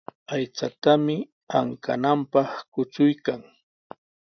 Aychatami ankananpaq kuchuykan.